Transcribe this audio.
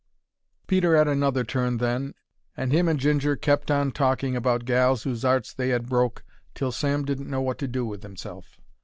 Peter 'ad another turn then, and him and Ginger kept on talking about gals whose 'arts they 'ad broke till Sam didn't know what to do with 'imself.